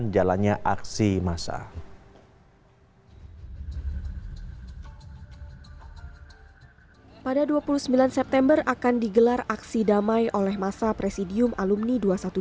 didamai oleh masa presidium alumni dua ratus dua belas